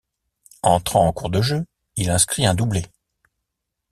Entrant en cours de jeu, il inscrit un doublé.